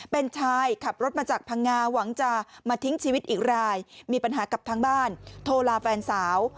เป็นชายขับรถมาจากพังงาหวังจะมาทิ้งชีวิตอีกรายมีปัญหากับทางบ้านโทรลาแฟนสาว